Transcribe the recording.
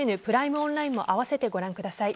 オンラインも併せてご覧ください。